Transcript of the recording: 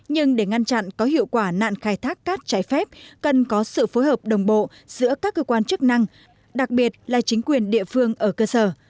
nhưng để ngăn chặn có hiệu quả nạn khai thác cát trái phép cần có sự phối hợp đồng bộ giữa các cơ quan chức năng đặc biệt là chính quyền địa phương ở cơ sở